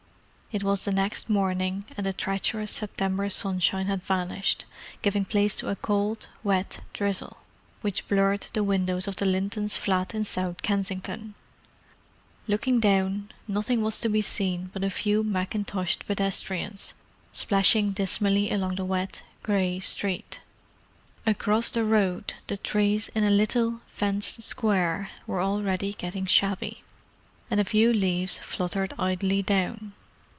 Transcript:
It was the next morning, and the treacherous September sunshine had vanished, giving place to a cold, wet drizzle, which blurred the windows of the Lintons' flat in South Kensington. Looking down, nothing was to be seen but a few mackintoshed pedestrians, splashing dismally along the wet, grey street. Across the road the trees in a little, fenced square were already getting shabby, and a few leaves fluttered idly down.